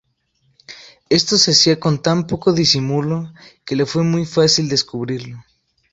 Esto se hacía con tan poco disimulo, que le fue muy fácil descubrirlo.